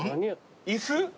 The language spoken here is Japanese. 椅子？